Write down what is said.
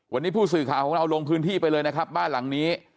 วันนี้ผู้สื่อข่าวของเราลงพื้นที่ไปเลยนะครับบ้านหลังนี้